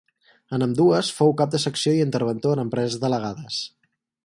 En ambdues fou cap de secció i interventor en empreses delegades.